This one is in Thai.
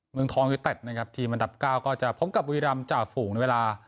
เมืองท้องเวียดเต็ดนะครับทีมันดับเก้าก็จะพบกับวีรัมจากฝูงในเวลา